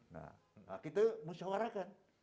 nah kita musyawarakan